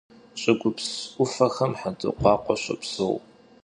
Ş'ıgups 'Ufexem xhendırkhuakhue şopseu.